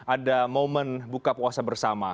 ada momen buka puasa bersama